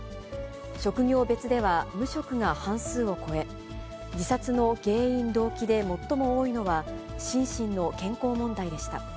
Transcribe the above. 職業別では無職が半数を超え、自殺の原因・動機で最も多いのは、心身の健康問題でした。